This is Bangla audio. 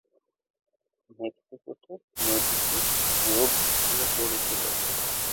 মেক্সিকোতে নদীটি রিও ব্রাভো নামে পরিচিত।